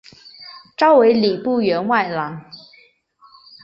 召为礼部员外郎。